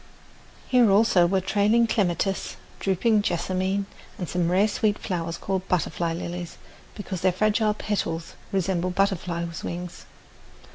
Here, also, were trailing clematis, drooping jessamine, and some rare sweet flowers called butterfly lilies, because their fragile petals resemble butterflies' wings.